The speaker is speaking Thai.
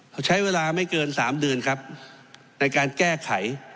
เขาใช้เวลาไม่เกิน๓เดือนครับในการแก้ไข